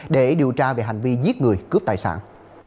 để điều tra về hành vi giết người cướp tài sản